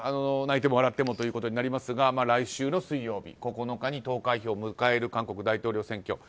泣いても笑ってもということになりますが来週の水曜日、９日に投開票を迎える韓国大統領選挙。